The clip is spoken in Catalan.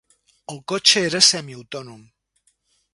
El cotxe era semiautònom.